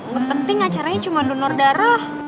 yang penting acaranya cuma donor darah